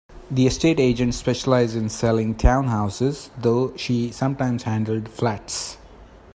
The estate agent specialised in selling townhouses, though she sometimes handled flats